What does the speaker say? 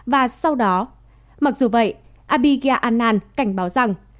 và sau đó mặc dù vậy abhigya anand cảnh báo rằng